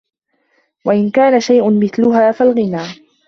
وَإِنْ كَانَ شَيْءٌ مِثْلَهَا فَالْغِنَى